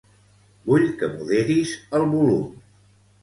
Vull que moderis el volum.